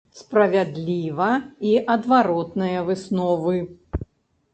Справядліва і адваротная высновы.